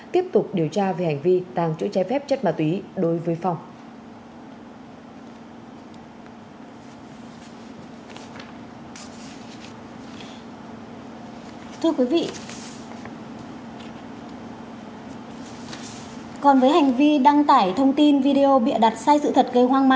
tiếp tục điều tra về hành vi tăng chữa chai phép chất ma tùy đối với phòng